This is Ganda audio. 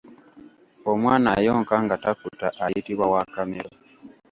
Omwana ayonka nga takkuta ayitibwa wa Kamiro.